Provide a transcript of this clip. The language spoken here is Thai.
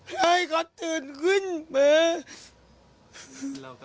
ให้เขาตื่นขึ้นมา